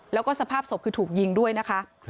แล้วก็สภาพศพคือถูกยิงด้วยนะคะ